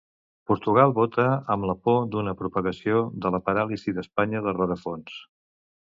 Portugal vota amb la por d'una propagació de la paràlisi d'Espanya de rerefons.